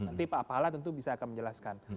nanti pak pahala tentu bisa akan menjelaskan